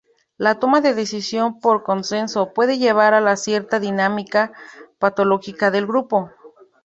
La toma de decisión por consenso puede llevar a cierta dinámica patológica de grupo.